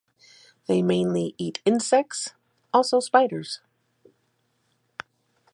They mainly eat insects, also spiders.